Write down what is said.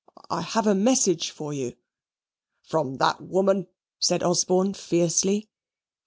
"I have a message for you." "From that woman?" said Osborne, fiercely.